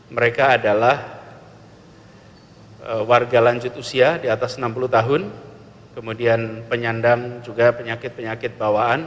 mereka adalah warga lanjut usia di atas enam puluh tahun kemudian penyandang juga penyakit penyakit bawaan